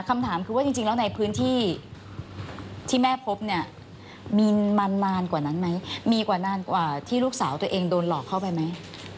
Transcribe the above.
คำถามคือว่าจริงแล้วในพื้นที่ที่แม่พบเนี่ยมีมานานกว่านั้นไหมมีกว่านานกว่าที่ลูกสาวตัวเองโดนหลอกเข้าไปไหม